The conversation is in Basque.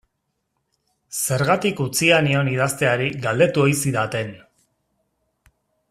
Zergatik utzia nion idazteari galdetu ohi zidaten.